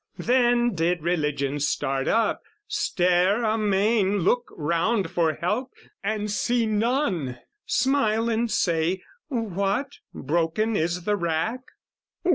Then did Religion start up, stare amain, Look round for help and see none, smile and say "What, broken is the rack?